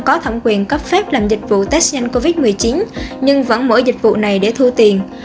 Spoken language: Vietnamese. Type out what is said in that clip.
có thẩm quyền cấp phép làm dịch vụ test nhanh covid một mươi chín nhưng vẫn mở dịch vụ này để thu tiền